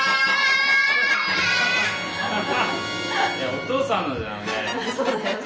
お父さんのだよね。